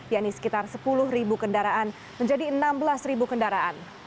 yakni sekitar sepuluh kendaraan menjadi enam belas kendaraan